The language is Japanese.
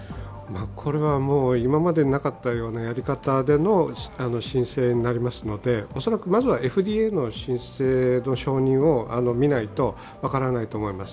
これは今までなかったようなやり方での申請になりますので、恐らくまずはＦＤＡの申請の承認を見ないと分からないと思います。